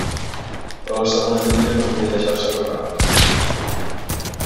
Però la segona llúdria no volia deixar-se agafar.